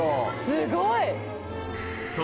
すごい！